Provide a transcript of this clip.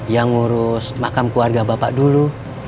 yang ngurus makam keluarga bapak dulu